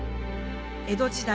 江戸時代